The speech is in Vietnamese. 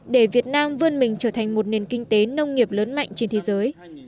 để việt nam vươn mình trở thành một nền kinh tế nông nghiệp lớn mạnh trên thế giới